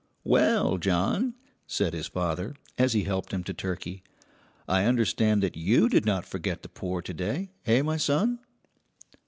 "Well, John," said his father, as he helped him to turkey, "I understand that you did not forget the poor to day. Eh, my son?"